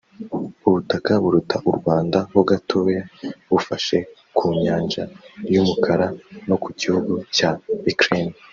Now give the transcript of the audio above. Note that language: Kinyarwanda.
ubutaka buruta u Rwanda ho gatoya bufashe ku Nyanja y’umukara no ku gihugu cya Ukraine